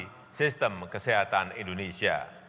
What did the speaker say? dan reformasi sistem kesehatan indonesia